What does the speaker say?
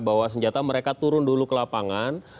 bawa senjata mereka turun dulu ke lapangan